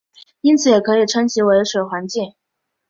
因此也可以称其为水环境。